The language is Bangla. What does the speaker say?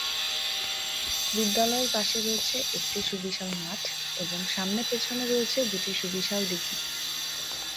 বিদ্যালয়ের পাশে রয়েছে একটি সুবিশাল মাঠ এবং সামনে পেছনে রয়েছে দুটি সুবিশাল দিঘী।